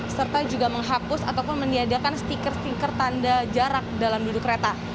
serta juga menghapus ataupun meniadakan stiker stiker tanda jarak dalam duduk kereta